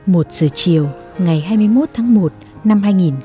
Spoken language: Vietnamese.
một giờ chiều ngày hai mươi một tháng một năm hai nghìn một mươi chín